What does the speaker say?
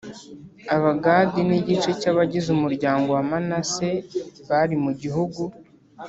Abagadi n igice cy abagize umuryango wa Manase bari mu gihugu.